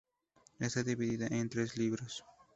Está dividida en tres "libros".